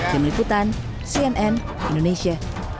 demikian cnn indonesia